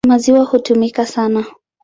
Maziwa hutumika sana.